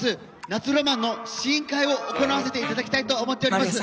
夏浪漫の試飲会を行わせて頂きたいと思っております。